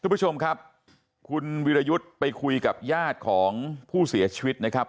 คุณผู้ชมครับคุณวิรยุทธ์ไปคุยกับญาติของผู้เสียชีวิตนะครับ